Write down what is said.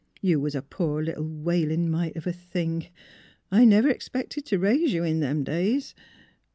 ... You was a poor little wailin' mite of a thing. I never 'xpected t' raise you in them days.